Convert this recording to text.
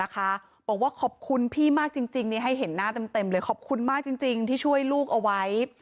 บอกว่าขอบคุณพี่มากจริงให้เห็นหน้าเต็มเลยขอบคุณมากจริงที่ช่วยลูกเอาไว้